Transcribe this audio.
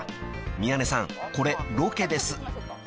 ［宮根さんこれロケです］